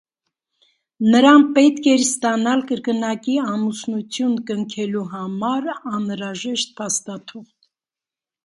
Նրան պետք էր ստանալ կրկնակի ամուսնություն կնքելու համար անհրաժեշտ փաստաթուղթ։